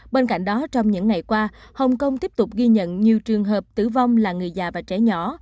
bên cạnh đó trong những ngày qua hồng kông tiếp tục ghi nhận nhiều trường hợp tử vong là người già và trẻ nhỏ